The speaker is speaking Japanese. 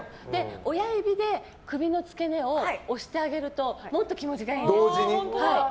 親指で首の付け根を押してあげるともっと気持ちがいいんです。